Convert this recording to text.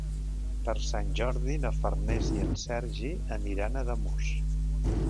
Per Sant Jordi na Farners i en Sergi aniran a Ademús.